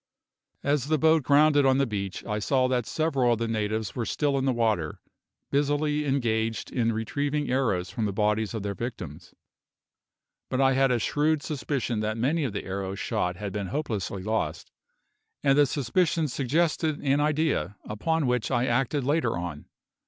As the boat grounded on the beach I saw that several of the natives were still in the water, busily engaged in retrieving arrows from the bodies of their victims; but I had a shrewd suspicion that many of the arrows shot had been hopelessly lost; and the suspicion suggested an idea upon which I acted later on.